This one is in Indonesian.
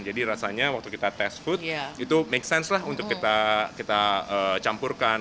jadi rasanya waktu kita tes food itu make sense lah untuk kita campurkan